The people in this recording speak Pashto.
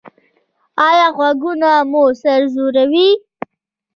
ایا غږونه مو سر ځوروي؟